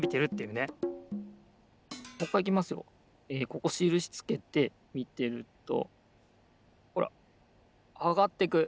ここしるしつけてみてるとほらあがってく。